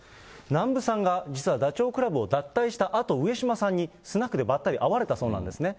南部さんが、実はダチョウ倶楽部を脱退したあと、実は上島さんにスナックでばったり会われたそうなんですね。